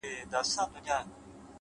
ستا د شعر دنيا يې خوښه سوېده.!